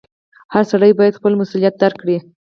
• هر سړی باید خپل مسؤلیت درک کړي.